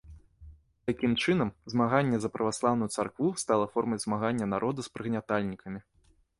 Такім чынам, змаганне за праваслаўную царкву стала формай змагання народа з прыгнятальнікамі.